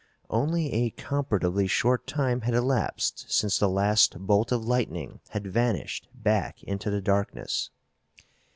Only a comparatively short time had elapsed since the last bolt of lightning had vanished back into the darkness.